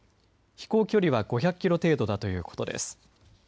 飛行距離は５００キロ程度だということです。